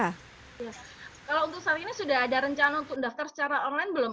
kalau untuk saat ini sudah ada rencana untuk mendaftar secara online belum